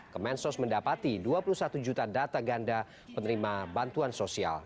kemensos mendapati dua puluh satu juta data ganda penerima bantuan sosial